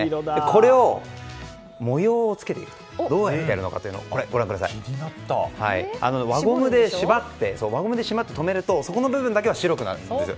これに模様をつけていく作業どうやってやるかというと輪ゴムで縛ってとめるとそこの部分だけは白くなるんですよ。